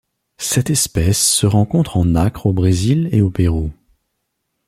Cette espèce se rencontre en Acre au Brésil et au Pérou.